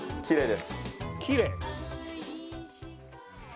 きれい？